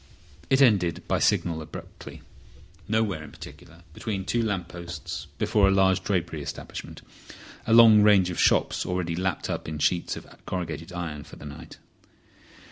It ended by signal abruptly, nowhere in particular, between two lamp posts before a large drapery establishment—a long range of shops already lapped up in sheets of corrugated iron for the night.